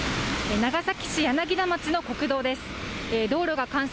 長崎市柳田町の国道です。